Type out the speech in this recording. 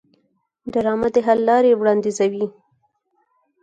ډرامه د حل لارې وړاندیزوي